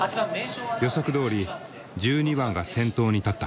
予測どおり１２番が先頭に立った。